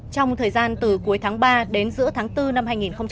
trong thời gian từ cuối tháng ba đến giữa tháng bốn năm hai nghìn một mươi sáu